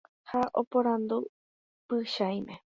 Ha oporandu Pychãime.